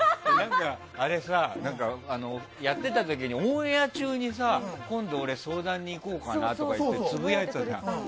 やっていた時にオンエア中にさ今度俺、相談に行こうかなとかつぶやいてたじゃん。